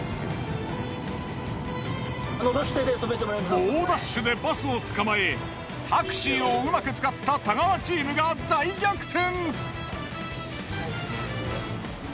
猛ダッシュでバスを捕まえタクシーをうまく使った太川チームが大逆転！